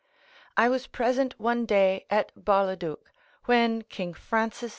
I was present one day at Barleduc, when King Francis II.